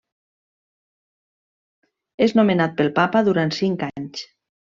És nomenat pel Papa durant cinc anys.